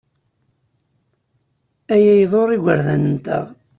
Aya iḍurr igerdan-nteɣ.